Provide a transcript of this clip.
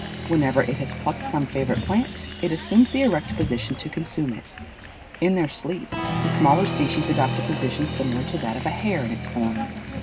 Whenever it has plucked some favorite plant, it assumes the erect position to consume it. In their sleep the smaller species adopt a position similar to that of a hare in its form.